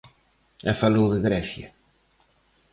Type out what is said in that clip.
E falou de Grecia.